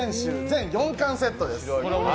全４巻セットです。